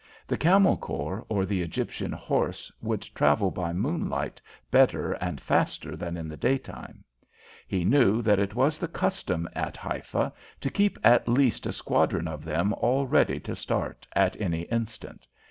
The Camel Corps or the Egyptian Horse would travel by moonlight better and faster than in the daytime. He knew that it was the custom at Haifa to keep at least a squadron of them all ready to start at any instant.